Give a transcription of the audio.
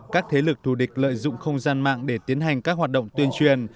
các thế lực thù địch lợi dụng không gian mạng để tiến hành các hoạt động tuyên truyền